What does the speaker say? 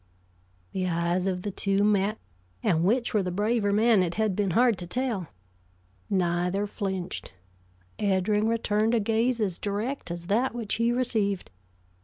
The eyes of the two met, and which were the braver man it had been hard to tell. Neither flinched. Eddring returned a gaze as direct as that which he received.